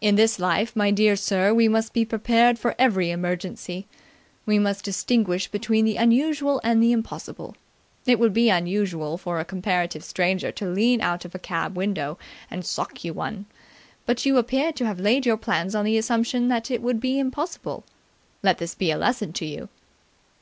In this life, my dear sir, we must be prepared for every emergency. We must distinguish between the unusual and the impossible. It would be unusual for a comparative stranger to lean out of a cab window and sock you one, but you appear to have laid your plans on the assumption that it would be impossible. Let this be a lesson to you!"